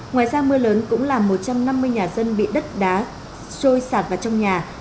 ngoài ra mưa lớn cũng làm một trăm năm mươi nhà dân bị đất đá trôi sạt vào trong nhà